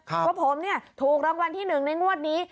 ว่าผมถูกรางวัลที่๑ในงวดนี้